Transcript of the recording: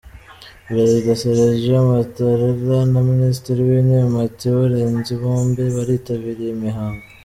Perezida Sergio Mattarella na minisitiri w'intebe Matteo Renzi bombi baritabira iyi mihango.